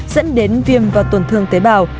dẫn đến viêm và tuần thương tế bào